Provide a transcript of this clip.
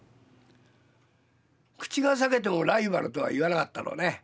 口が裂けてもライバルとは言わなかったろうね。